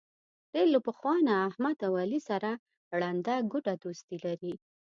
ډېر له پخوا نه احمد او علي سره ړنده ګوډه دوستي لري.